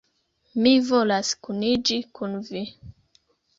Mi volas kuniĝi kun vi!